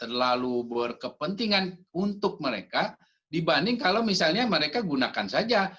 terlalu berkepentingan untuk mereka dibanding kalau misalnya mereka gunakan saja